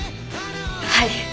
はい。